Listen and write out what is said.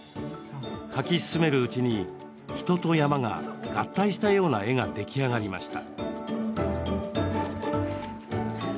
描き進めるうちに人と山が合体したような絵が出来上がりました。